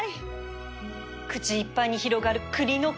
口いっぱいに広がる栗の香り